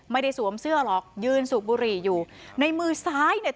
สวมเสื้อหรอกยืนสูบบุหรี่อยู่ในมือซ้ายเนี่ย